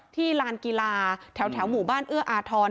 ลานกีฬาแถวหมู่บ้านเอื้ออาทร